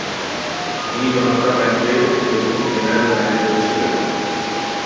তিনি জনতা ব্যাংকের deputy general manager ছিলেন।